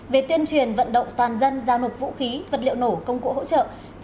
về tuyên truyền vận động toàn dân giao nộp vũ khí vật liệu nổ công cụ hỗ trợ